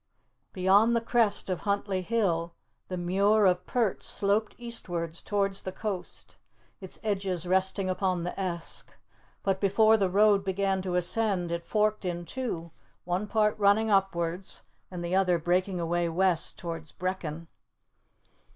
Beyond the crest of Huntly Hill the Muir of Pert sloped eastwards towards the coast, its edges resting upon the Esk, but before the road began to ascend it forked in two, one part running upwards, and the other breaking away west towards Brechin.